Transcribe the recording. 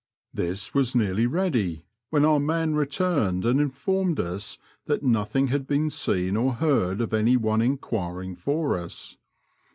This was nearly ready, when our man returned and informed us that nothing had been seen or heard of any one enquiring for us.